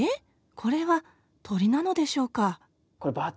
これは鳥なのでしょうか？